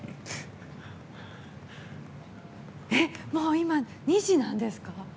もう今２時なんですか？